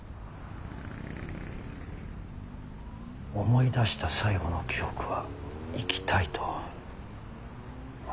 思い出した最後の記憶は「生きたい」と。